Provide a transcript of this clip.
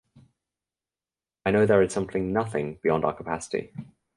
I know there is simply nothing beyond our capacity.